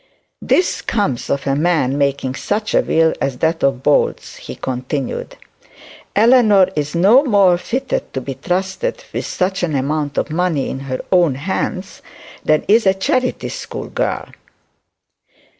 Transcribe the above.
'This comes of a man making a will as that of Bold's' he continued. 'Eleanor is no more fitted to be trusted with such an amount of money in her own hands than is a charity school girl.'